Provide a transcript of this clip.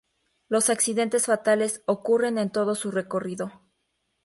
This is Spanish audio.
Los accidentes fatales ocurren en todo su recorrido.